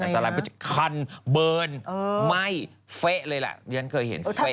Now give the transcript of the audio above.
ต่างขนาดนี้เลย